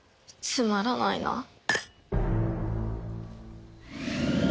つまらないな。